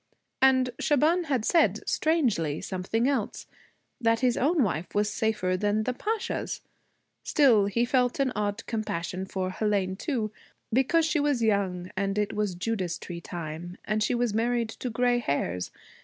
And Shaban had said, strangely, something else that his own wife was safer than the Pasha's. Still he felt an odd compassion for Hélène, too because she was young, and it was Judas tree time, and she was married to gray hairs.